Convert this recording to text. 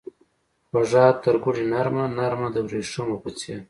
خوږه ترګوړې نرمه ، نرمه دوریښمو په څیر